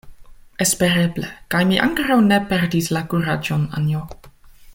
Espereble; kaj mi ankoraŭ ne perdis la kuraĝon, Anjo.